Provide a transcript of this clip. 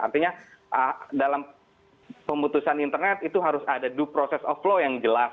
artinya dalam pemutusan internet itu harus ada due process of law yang jelas